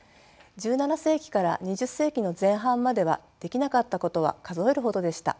１７世紀から２０世紀の前半まではできなかったことは数えるほどでした。